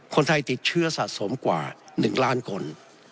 คนไทยติดเชื้อสะสมกว่า๑ล้านคน